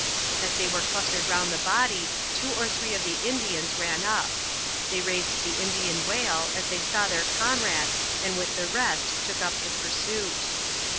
As they were clustered round the body two or three of the Indians ran up. They raised the Indian wail as they saw their comrade and with the rest took up the pursuit.